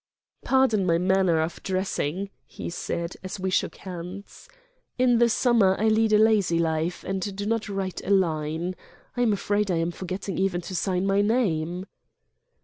" Pardon my manner of dressing," he said, as we shook hands. "In the summer I lead a lazy life, and do not write a line. I am afraid I am forgetting even to sign my name."